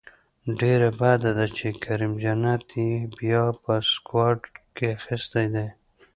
ډیره بده ده چې کریم جنت یې بیا په سکواډ کې اخیستی دی